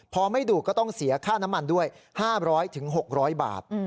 พอไม่ดูก็ต้องเสียค่าน้ำมันด้วย๕๐๐๖๐๐บาท